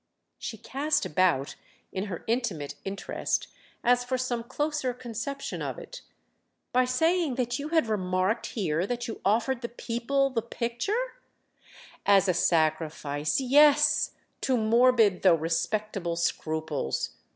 She cast about, in her intimate interest, as for some closer conception of it. "By saying that you had remarked here that you offered the People the picture—?" "As a sacrifice—yes!—to morbid, though respectable scruples."